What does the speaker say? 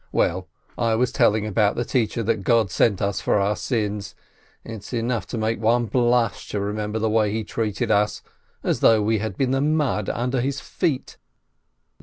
Well, I was telling about the teacher that God sent us for our sins. It's enough to make one blush to remember the way he treated us, as though we had been the mud under his feet.